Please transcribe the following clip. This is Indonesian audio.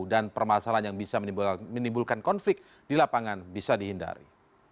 dan permasalahan yang bisa menimbulkan konflik di lapangan bisa dihindari